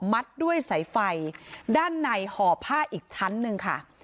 ด้วยสายไฟด้านในห่อผ้าอีกชั้นหนึ่งค่ะ